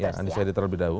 yang undecided terlebih dahulu